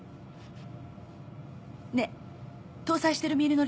ねえ搭載してるミールの